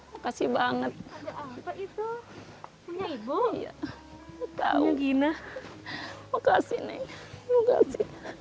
makasih neng makasih